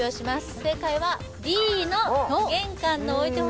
正解はあ！